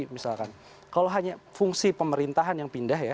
misalkan kalau hanya fungsi pemerintahan yang pindah ya